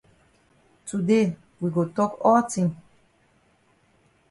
Today we go tok all tin.